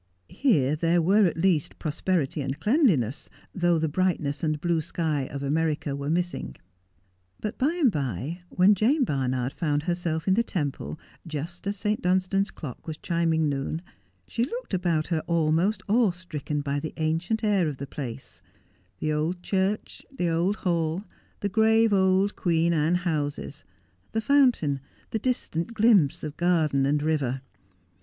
Here there were, at least, prosperity and cleanliness, though the brightness and bine shy of America were missing. But by and by, when Jane Barnard found herself in the Temple, just as St. Dunstan's clock was chiming noon, she looked about her almost awe stricken by the ancient air of the place — the old church, the old hall, the grave old Queen Anne houses, tho fountain, the distant glimpse of garden and river.